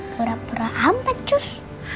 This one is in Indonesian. pura pura apa cus